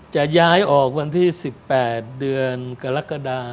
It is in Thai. จะย้ายออกวันที่๑๘เดือนกรกฎา